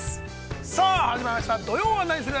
さあ始まりました「土曜はナニする！？」。